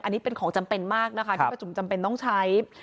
อันนี้เป็นของจำเป็นมากนะคะที่ประชุมจำเป็นต้องใช้